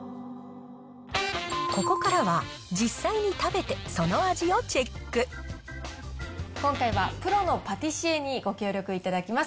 ここからは、実際に食べて、今回は、プロのパティシエにご協力いただきます。